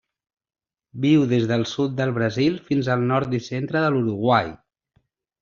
Viu des del sud del Brasil fins al nord i centre de l'Uruguai.